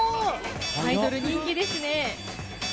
「アイドル」人気ですね。